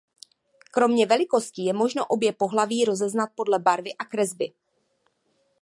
Kromě velikosti je možno obě pohlaví rozeznat podle barvy a kresby.